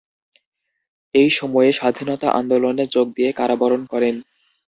এই সময়ে স্বাধীনতা আন্দোলনে যোগ দিয়ে কারাবরণ করেন।